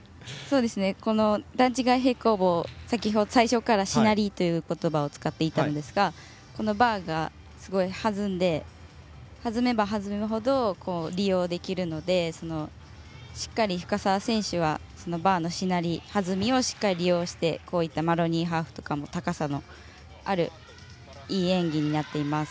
段違い平行棒最初からしなりという言葉を使っていたんですがバーが弾んで弾めば弾むほど利用できるのでしっかり深沢選手はバーのしなり弾みをしっかり利用してマロニーハーフとかも高さのあるいい演技になっています。